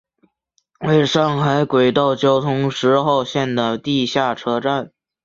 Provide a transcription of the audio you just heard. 为上海轨道交通十号线的地下车站。